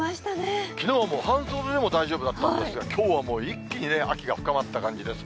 きのうもう、半袖でも大丈夫だったんですが、きょうはもう一気にね、秋が深まった感じです。